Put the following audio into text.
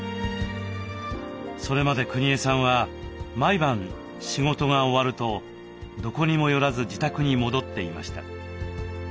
それまでくにえさんは毎晩仕事が終わるとどこにも寄らず自宅に戻っていました。